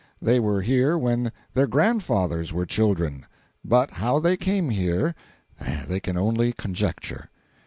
They were here when their grandfathers were children—but how they came here, they can only conjecture.